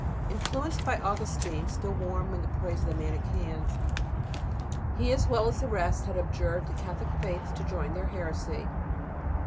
Influenced by Augustine, still warm in the praise of the Manicheans, he, as well as the rest, had abjured the Catholic faith to join their heresy.